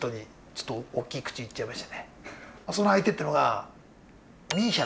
その相手っていうのが。